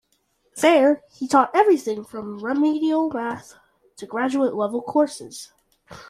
There he taught everything from remedial math to graduate-level courses.